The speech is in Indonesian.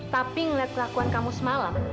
tapi ngeliat kelakuan kamu semalam